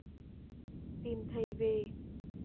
Tìm thầy về